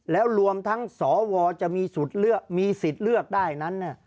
แล้วรวมทั้งสวจะมีสิทธิ์เลือกได้นั้น